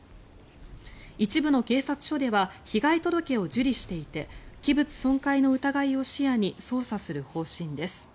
一部の警察署では被害届を受理していて器物損壊の疑いを視野に捜査する方針です。